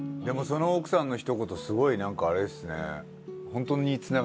でもその奥さんのひと言すごいなんかあれですね。